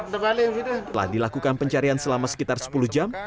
setelah dilakukan pencarian selama sekitar sepuluh jam